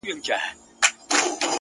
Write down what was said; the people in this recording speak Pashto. د زړو غمونو یاري، انډيوالي د دردونو،